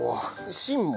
芯も？